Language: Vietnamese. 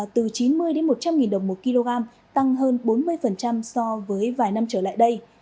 từ chín mươi một trăm linh đồng một kg tăng hơn bốn mươi so với vài năm trở lại đây